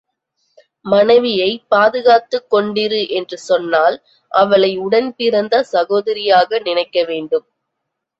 மனைவியைப் பாதுகாத்துக் கொண்டிரு என்று சொன்னால் அவளை உடன் பிறந்த சகோதரியாக நினைக்க வேண்டும்.